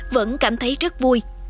vẫn cảm thấy rất vui